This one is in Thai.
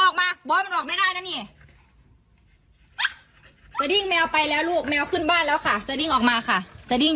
กว้าวอุ้ยแมวออกไปแล้วลูกแมวขึ้นบ้านแล้วค่ะจ๊ะออกมาค่ะจ๊ะดิ้ง